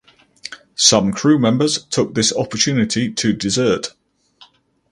Some crew members took this opportunity to desert.